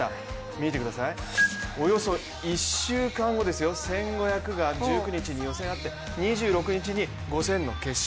見てください、およそ１週間後ですよ１５００が１９日に予選があって２６日に５０００の決勝。